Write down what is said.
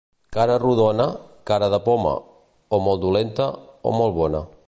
Cara rodona, cara de poma, o molt dolenta o molt bona.